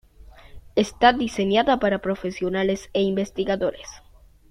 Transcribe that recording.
Está diseñada para profesionales e investigadores.